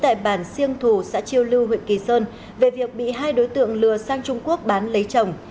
tại bản siêng thù xã chiêu lưu huyện kỳ sơn về việc bị hai đối tượng lừa sang trung quốc bán lấy chồng